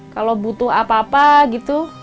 kalau butuh apa apa gitu